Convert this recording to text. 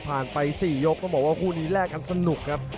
พาท่านผู้ชมกลับติดตามความมันกันต่อครับ